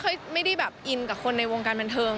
ไม่ได้แบบอินกับคนในวงการบันเทิง